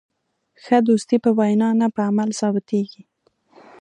ښه دوستي په وینا نه، په عمل ثابتېږي.